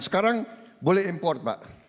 sekarang boleh import pak